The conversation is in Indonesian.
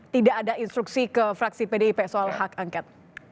tidak ada instruksi ke fraksi pdip soal hak angket